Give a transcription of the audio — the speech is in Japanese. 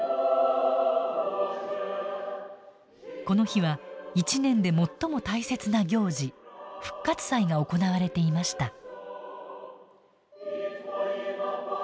この日は一年で最も大切な行事復活祭が行われていました。